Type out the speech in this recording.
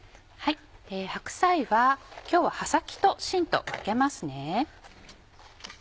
白菜は今日は葉先としんと分けますね。